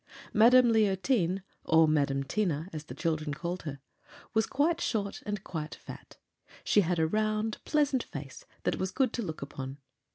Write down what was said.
Madame Leontine or Madame Tina, as the children called her was quite short and quite fat; and she had a round, pleasant face that was good to look upon.